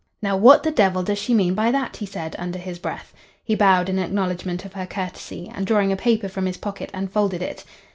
"Now, what the devil does she mean by that?" he said, under his breath. He bowed in acknowledgment of her courtesy, and drawing a paper from his pocket unfolded it.